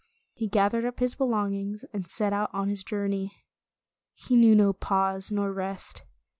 He gathered up his belongings, and set out on his journey. He knew no pause nor rest.